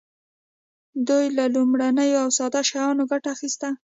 دوی له لومړنیو او ساده شیانو ګټه اخیسته.